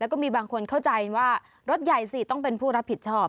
แล้วก็มีบางคนเข้าใจว่ารถใหญ่สิต้องเป็นผู้รับผิดชอบ